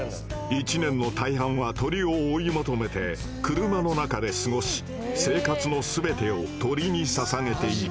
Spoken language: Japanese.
一年の大半は鳥を追い求めて車の中で過ごし生活の全てを鳥にささげている。